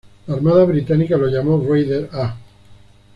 La Armada británica lo llamó "Raider A".